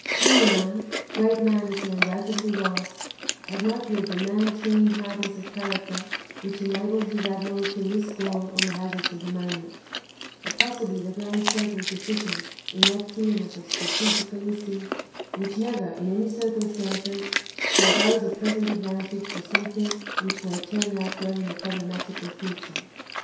Soliman, great man as he undoubtedly was, had not the adamantine hardness of character which enabled his admiral to risk all on the hazards of the moment; or possibly the Grand Turk was deficient in that clearness of strategical instinct which never in any circumstances foregoes a present advantage for something which may turn out well in a problematical future.